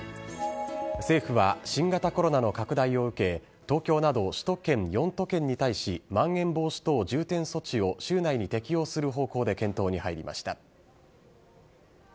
政府は新型コロナの拡大を受け、東京など首都圏４都県に対し、まん延防止等重点措置を週内に適用する方向で検討に入りました。